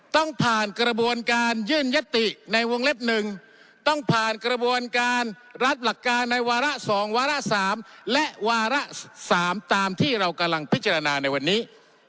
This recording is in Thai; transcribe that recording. ต้องผ่านกระบวนการยื่นยติในวงเล็บ๑ต้องผ่านกระบวนการรัฐหลักการในวาระ๒วาระ๓และวาระ๓ตามที่เรากำลังพิจารณาในวันนี้